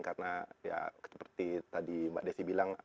karena seperti tadi mbak desi bilang